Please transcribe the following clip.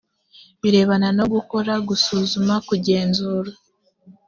birebana no gukora, gusuzuma, kugenzura